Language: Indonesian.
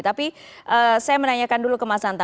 tapi saya menanyakan dulu ke mas hanta